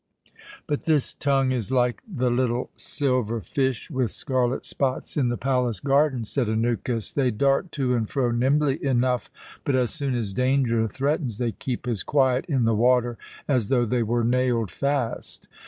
"But this tongue is like the little silver fish with scarlet spots in the palace garden," said Anukis. "They dart to and fro nimbly enough; but as soon as danger threatens they keep as quiet in the water as though they were nailed fast.